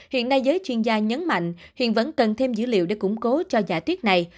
hiện nay giới chuyên gia nhấn mạnh hiện vẫn cần thêm dữ liệu để củng cố cho giả thuyết này